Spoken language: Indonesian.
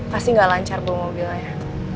pasti gak lancar bawa mobilnya